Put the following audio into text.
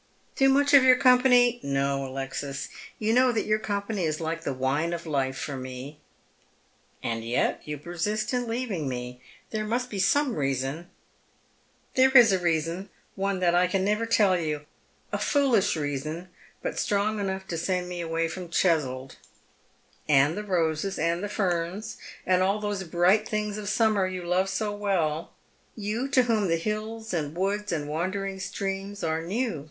" Too much of your company — no, Alexis. You know that your company is like the wine of life for me." " And yet you persist in leaving me. There must be some reason." "There is a reason — one that I can never tell you. A foolish reason. But strong enough to send me away from Cheswold." " And the roses, and the ferns, and all those bright things of summer you love so well — you to whom the hills and woods and wandering streams are new.